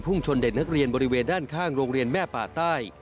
ชนเด็กนักเรียนบริเวณด้านข้างโรงเรียนแม่ป่าใต้